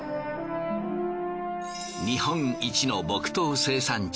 日本一の木刀生産地